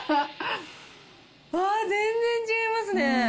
あー、全然違いますね。